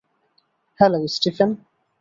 Hello, Stephen.